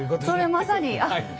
それまさに。